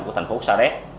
của thành phố sa đéc